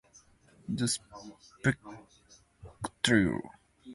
The spectacle was staged for the amusement of the court.